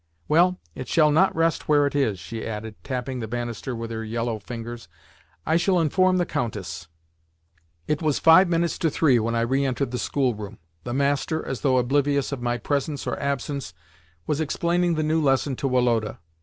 "Well, it shall not rest where it is," she added, tapping the banister with her yellow fingers. "I shall inform the Countess." It was five minutes to three when I re entered the schoolroom. The master, as though oblivious of my presence or absence, was explaining the new lesson to Woloda.